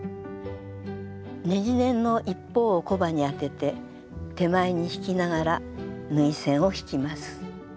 ねじネンの一方をコバに当てて手前に引きながら縫い線を引きます。